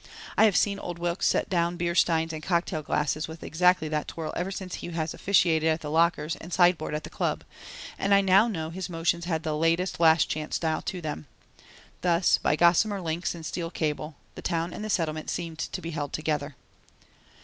I have seen old Wilks set down beer steins and cocktail glasses with exactly that twirl ever since he has officiated at the lockers and sideboard at the Club, and I now know that his motions had the latest Last Chance style to them. Thus, by gossamer links and steel cable, the Town and the Settlement seemed to be held together.